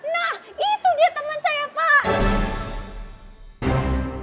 nah itu dia teman saya pak